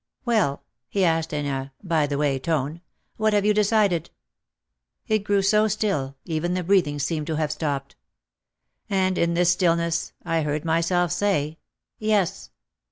"Well," he asked in a "by the way" tone, "what have you decided ?" It grew so still, even the breathing seemed to have stopped. And in this stillness I heard myself say, "Yes."